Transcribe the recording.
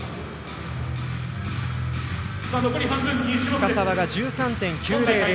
深沢、１３．９００